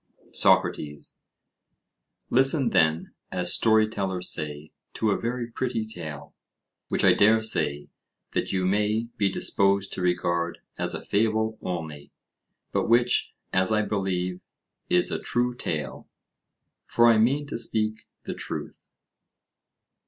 SOCRATES: Listen, then, as story tellers say, to a very pretty tale, which I dare say that you may be disposed to regard as a fable only, but which, as I believe, is a true tale, for I mean to speak the truth.